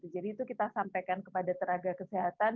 jadi itu kita sampaikan kepada tenaga kesehatan